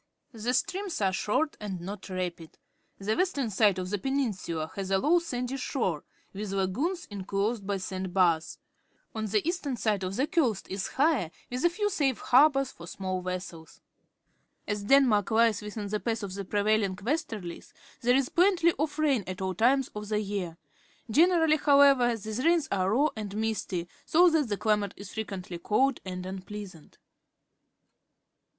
The streams are short and not rapid. The western side of the peninsula has a low sandy shore, with lagoons inclosed by sand bars. On the east ern side the coast is higher, with a few safe harbours for small vessels. As Denmark lies within the path of the prevailing westerUes, there is plenty of rain at all times of the year. Generally, however, these rains are raw and misty, so that the cUmate is frequently cold jind unpleasant.